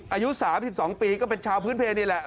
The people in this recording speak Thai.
อายุ๓๒ปีก็เป็นชาวพื้นเพลนี่แหละ